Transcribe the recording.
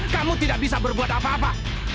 kamu tidak bisa berbuat apa apa